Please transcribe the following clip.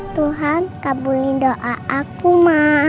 tuhan kabulin doa aku mak